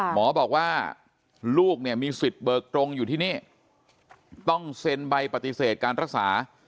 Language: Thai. หมอบอกว่าลูกเนี่ยมีสิทธิ์เบิกตรงอยู่ที่นี่ต้องเซ็นใบปฏิเสธการรักษา